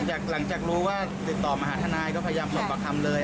หลังจากรู้ว่าติดต่อมาหาทนายก็พยายามสอบประคำเลย